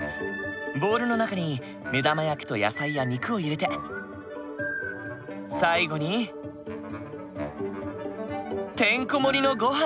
ボウルの中に目玉焼きと野菜や肉を入れて最後にてんこ盛りのごはん！